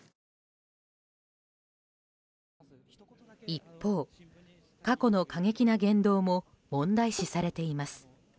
一方、過去の過激な言動も問題視されています。